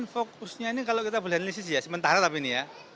fokusnya ini kalau kita boleh analisis ya sementara tapi ini ya